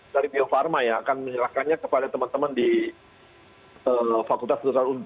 dari bio farma ya akan menyerahkannya kepada teman teman di fakultas hutan